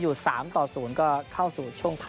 อยู่๓๐ก็เข้าสู่ช่วง